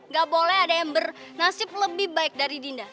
gak boleh ada yang bernasib lebih baik dari dinda